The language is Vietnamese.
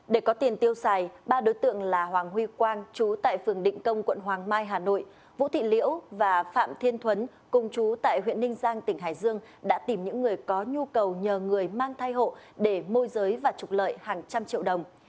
để có tiền tiêu xài ba đối tượng là hoàng huy quang chú tại phường định công quận hoàng mai hà nội vũ thị liễu và phạm thiên thuấn công chú tại huyện ninh giang tỉnh hải dương đã tìm những người có nhu cầu nhờ người mang thai hộ để môi giới và trục lợi hàng trăm triệu đồng